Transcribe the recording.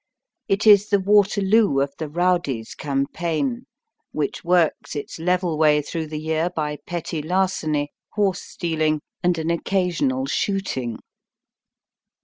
It is the Waterloo of the rowdy's campaign, which works its level way through the year by petty larceny, horse stealing, gaming, and an occasional shooting.